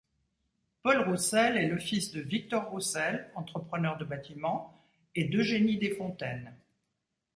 Paul Roussel est le fils de Victor Roussel, entrepreneur de bâtiments et d'Eugénie Desfontaines.